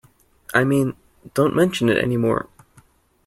I mean, don't mention it any more.